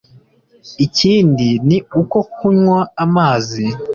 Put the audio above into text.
Ikindi ni uko kunywa amazi